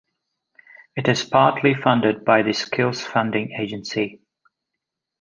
It is partly funded by the Skills Funding Agency.